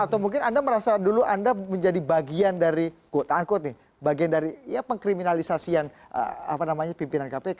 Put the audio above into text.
atau mungkin anda merasa dulu anda menjadi bagian dari quote unquote nih bagian dari ya pengkriminalisasian pimpinan kpk